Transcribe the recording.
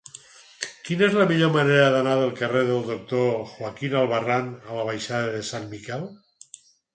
Quina és la millor manera d'anar del carrer del Doctor Joaquín Albarrán a la baixada de Sant Miquel?